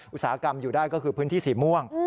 อุตสาหกรรมอยู่ได้ก็คือพื้นที่สีม่วง